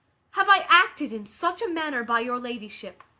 Have I acted in such a manner by your ladyship?